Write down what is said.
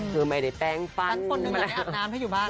คือไม่ได้แป้งฟันฉันคนหนึ่งจะได้อาบน้ำให้อยู่บ้าน